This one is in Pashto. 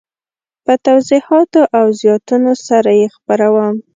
په توضیحاتو او زیاتونو سره یې خپروم.